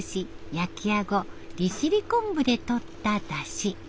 焼きアゴ利尻昆布でとったダシ。